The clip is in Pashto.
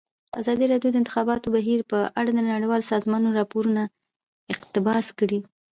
ازادي راډیو د د انتخاباتو بهیر په اړه د نړیوالو سازمانونو راپورونه اقتباس کړي.